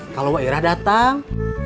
kalo wak ira datang